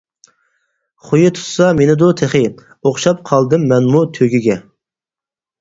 خۇيى تۇتسا مىنىدۇ تېخى، ئوخشاپ قالدىم مەنغۇ تۈگىگە.